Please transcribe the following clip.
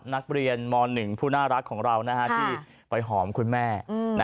นักเรียนม๑ผู้น่ารักของเราที่ไปหอมคุณแม่